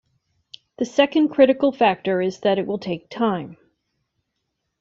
The second critical factor is that it will take time.